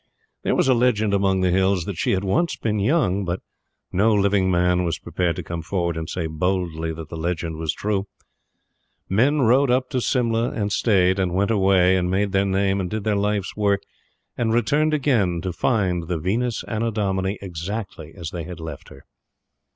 There was a legend among the Hills that she had once been young; but no living man was prepared to come forward and say boldly that the legend was true. Men rode up to Simla, and stayed, and went away and made their name and did their life's work, and returned again to find the Venus Annodomini exactly as they had left her.